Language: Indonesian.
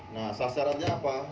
nah sasarannya apa